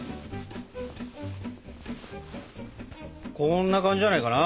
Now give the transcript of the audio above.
こんな感じじゃないかな。